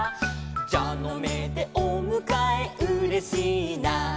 「じゃのめでおむかえうれしいな」